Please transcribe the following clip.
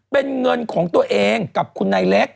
เป็นเงินของตัวเองกับคุณนายเล็ก